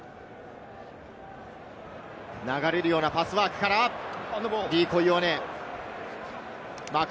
流れるようなパスワークからイオアネ。